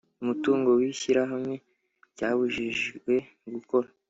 Umutungo w ishyirahamwe ryabujijwe gukora